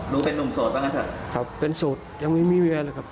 เป็นนุ่มโสดบ้างงั้นเถอะครับเป็นโสดยังไม่มีเวียเลยครับ